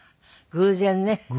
偶然ね。